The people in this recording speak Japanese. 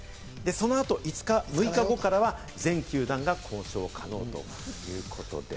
６日後からは全球団が交渉可能ということです。